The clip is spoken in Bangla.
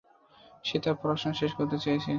সে তার পড়াশোনা শেষ করতে চেয়েছে।